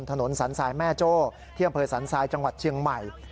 ถนนสันสายแม่โจ้เที่ยงเผยสันสายจังหวัดเชียงใหม่